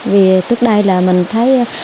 vì trước đây là mình thấy